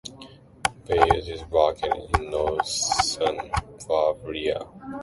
Bayreuth is located in northern Bavaria.